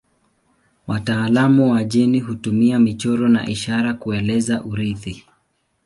Wataalamu wa jeni hutumia michoro na ishara kueleza urithi.